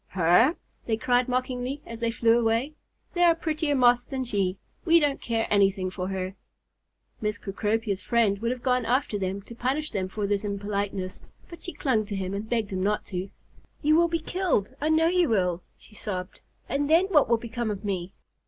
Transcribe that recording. "Her!" they cried mockingly, as they flew away. "There are prettier Moths than she. We don't care anything for her." Miss Cecropia's friend would have gone after them to punish them for this impoliteness, but she clung to him and begged him not to. "You will be killed, I know you will," she sobbed. "And then what will become of me?"